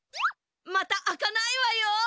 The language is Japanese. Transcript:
また開かないわよ！